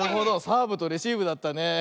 サーブとレシーブだったね。